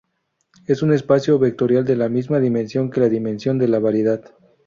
Es un espacio vectorial de la misma dimensión que la dimensión de la variedad.